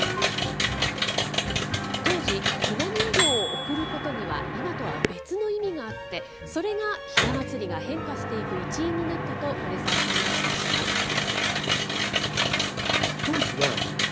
当時、ひな人形を贈ることには、今とは別の意味があって、それがひな祭りが変化していく一因になったと是澤さんは指摘します。